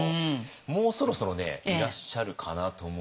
もうそろそろねいらっしゃるかなと思うんですけどね。